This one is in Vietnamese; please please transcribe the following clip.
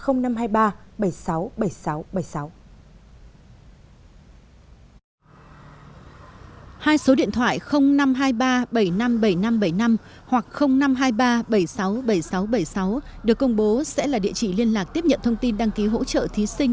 hai số điện thoại năm trăm hai mươi ba bảy mươi năm bảy nghìn năm trăm bảy mươi năm hoặc năm trăm hai mươi ba bảy mươi sáu bảy nghìn sáu trăm bảy mươi sáu được công bố sẽ là địa chỉ liên lạc tiếp nhận thông tin đăng ký hỗ trợ thí sinh